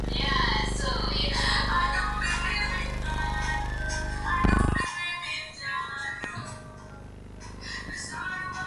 Simiyu hana msimamo mzuri